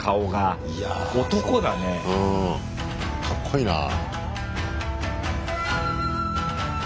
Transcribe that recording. かっこいいなあ。